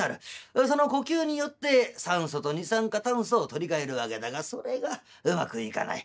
その呼吸によって酸素と二酸化炭素を取り替えるわけだがそれがうまくいかない。